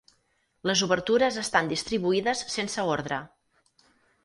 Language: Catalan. Les obertures estan distribuïdes sense ordre.